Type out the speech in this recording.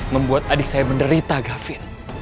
membuat adik saya menderita gavin